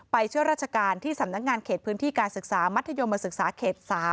ช่วยราชการที่สำนักงานเขตพื้นที่การศึกษามัธยมศึกษาเขต๓